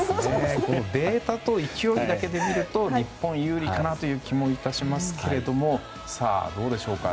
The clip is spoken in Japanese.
データと勢いで見ると日本有利かなという気もしますがどうでしょうか。